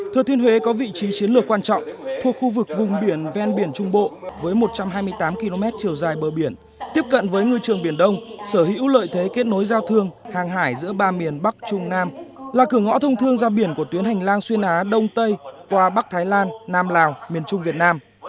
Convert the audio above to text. thừa thiên huế có vị trí chiến lược quan trọng thuộc khu vực vùng biển ven biển trung bộ với một trăm hai mươi tám km chiều dài bờ biển tiếp cận với ngư trường biển đông sở hữu lợi thế kết nối giao thương hàng hải giữa ba miền bắc trung nam là cửa ngõ thông thương giao biển của tuyến hành lang xuyên á đông tây qua bắc thái lan nam lào miền trung việt nam